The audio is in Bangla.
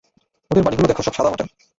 ওদের বাড়ীগুলো দেখ সব সাদামাটা।